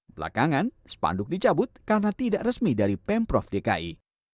belakangan spanduk dicabut karena tidak resmi dari pemprov dki